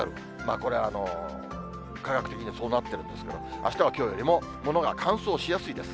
これは科学的にそうなっているんですけれども、あしたはきょうよりもものが乾燥しやすいです。